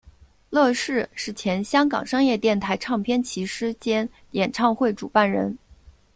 乐仕是前香港商业电台唱片骑师兼演唱会主办人。